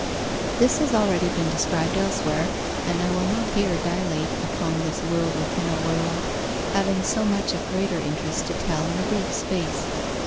This has already been described elsewhere, and I will not here dilate upon this world within a world, having so much of greater interest to tell in a brief space.